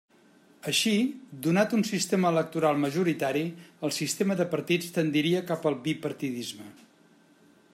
Així, donat un sistema electoral majoritari, el sistema de partits tendiria cap al bipartidisme.